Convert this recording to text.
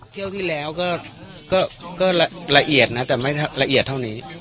เที่ยวที่แล้วก็ละเอียดนะแต่ไม่ละเอียดเท่านี้